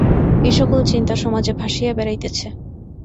এই-সকল চিন্তা সমাজে ভাসিয়া বেড়াইতেছে।